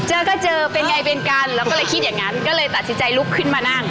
เจอก็เจอเป็นไงเป็นกันแล้วก็เลยคิดอย่างนั้นก็เลยตัดสินใจลุกขึ้นมานั่ง